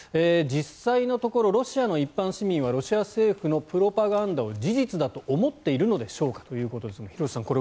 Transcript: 実際のところロシアの一般市民はロシア政府のプロパガンダを事実だと思っているのでしょうかということですが廣瀬さん